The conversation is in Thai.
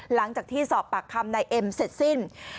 หลังจากที่สอบปากคำนายเอ็มเสร็จสิ้น